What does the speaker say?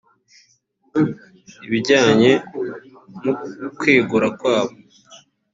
Ibijyanye n’ukwegura kwabo